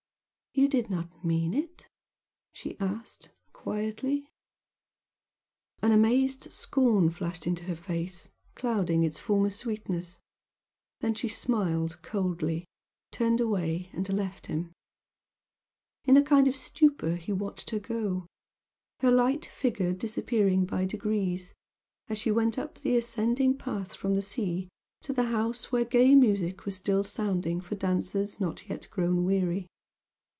"You did not mean it?" she asked, quietly. An amazed scorn flashed into her face, clouding its former sweetness then she smiled coldly, turned away and left him. In a kind of stupor he watched her go, her light figure disappearing by degrees, as she went up the ascending path from the sea to the house where gay music was still sounding for dancers not yet grown weary.